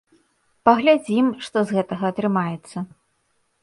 Паглядзім, што з гэтага атрымаецца.